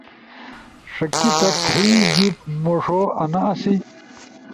ݜکیتا تھئی جیِب مُوݜو آنا آسی۔